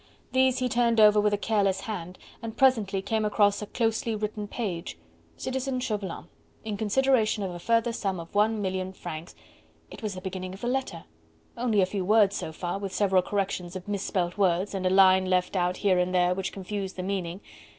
These he turned over with a careless hand and presently came across a closely written page. "Citizen Chauvelin: In consideration of a further sum of one million francs..." It was the beginning of the letter!... only a few words so far... with several corrections of misspelt words... and a line left out here and there which confused the meaning...